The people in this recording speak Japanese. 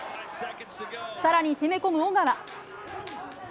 更に攻め込む尾川。